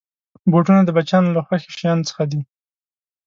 بوټونه د بچیانو له خوښې شيانو څخه دي.